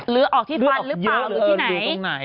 หรือออกที่ฟันหรือเปล่าหรือที่ไหน